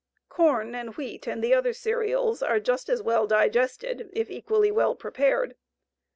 Corn and wheat and the other cereals are just as well digested if equally well prepared.